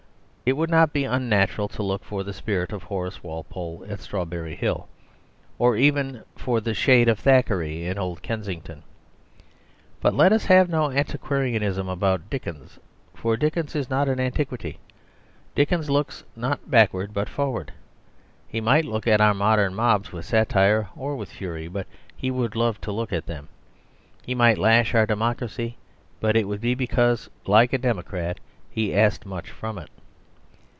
It would not be unnatural to look for the spirit of Horace Walpole at Strawberry Hill, or even for the shade of Thackeray in Old Kensington. But let us have no antiquarianism about Dickens, for Dickens is not an antiquity. Dickens looks not backward, but forward; he might look at our modern mobs with satire, or with fury, but he would love to look at them. He might lash our democracy, but it would be because, like a democrat, he asked much from it.